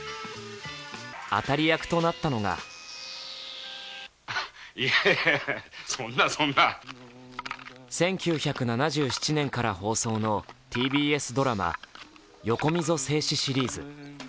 当たり役となったのが１９７７年から放送のＴＢＳドラマ「横溝正史シリーズ」。